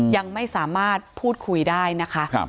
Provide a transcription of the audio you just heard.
ยังไม่สามารถพูดคุยได้นะคะ